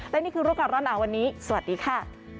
และนี่คือโรคการณ์ร้อนน้ำวันนี้สวัสดีค่ะ